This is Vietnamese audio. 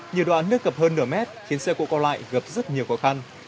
nhiều đoạn nước ngập hơn nửa mét khiến xe cộ co lại gặp rất nhiều khó khăn